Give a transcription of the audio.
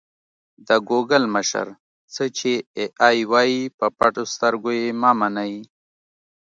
د ګوګل مشر: څه چې اې ای وايي په پټو سترګو یې مه منئ.